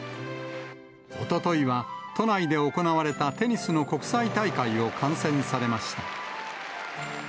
おとといは、都内で行われたテニスの国際大会を観戦されました。